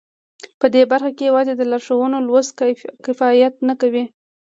په دې برخه کې یوازې د لارښوونو لوستل کفایت نه کوي